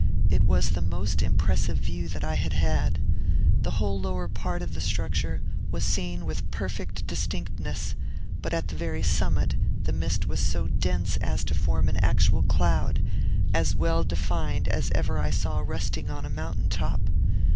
It was the most impressive view that I had had. The whole lower part of the structure was seen with perfect distinctness; but at the very summit the mist was so dense as to form an actual cloud, as well defined as ever I saw resting on a mountain top.